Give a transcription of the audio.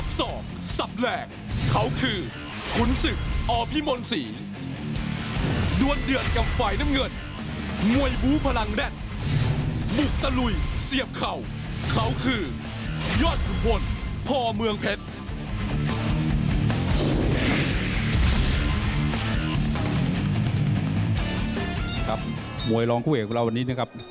ครับมวยร้องผู้เหลือกับเราวันนี้นะครับ